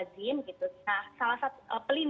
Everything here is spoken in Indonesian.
jadi pilih hands on